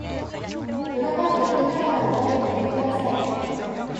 夜中に歩きながら歌うのやめてください